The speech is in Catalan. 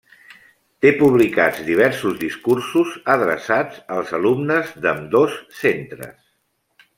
Té publicats diversos discursos adreçats als alumnes d’ambdós centres.